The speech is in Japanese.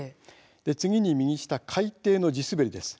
次に海底の地滑りです。